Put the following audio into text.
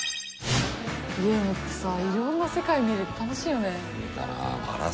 ゲームってさいろんな世界見れて楽しいよね。